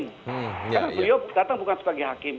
karena beliau datang bukan sebagai hakim